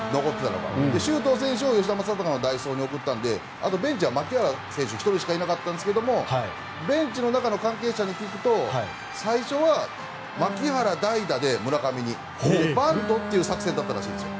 周東選手は吉田正尚の代走に送ったのでベンチは牧原選手１人しかいなかったんですけどもベンチの中の関係者に聞くと最初は牧原を村上に代打でバントっていう作戦だったらしいですよ。